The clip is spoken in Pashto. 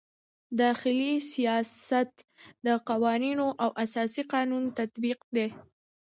داخلي سیاست د قوانینو او اساسي قانون تطبیق دی.